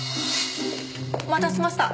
お待たせしました。